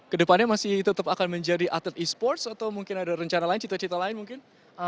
kedepannya masih tetap akan menjadi atlet e sports atau mungkin ada rencana lain cita cita lain mungkin